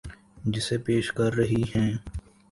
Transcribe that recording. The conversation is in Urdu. جسے پیش کر رہی ہیں